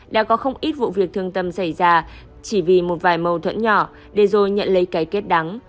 đã có không ít vụ việc thương tâm xảy ra chỉ vì một vài mâu thuẫn nhỏ để rồi nhận lấy cái kết đắng